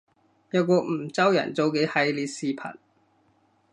有個梧州人做嘅系列視頻